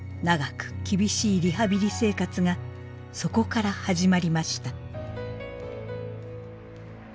長く厳しいリハビリ生活がそこから始まりました。